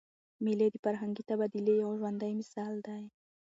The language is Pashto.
مېلې د فرهنګي تبادلې یو ژوندى مثال دئ.